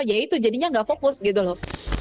ya itu jadinya nggak fokus gitu loh